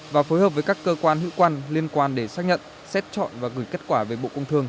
và phối hợp với các cơ quan hữu quan liên quan để xác nhận xét chọn và gửi kết quả về bộ công thương